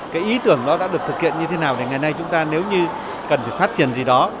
cái ý tưởng đó đã được thực hiện như thế nào để ngày nay chúng ta nếu như cần phải phát triển gì đó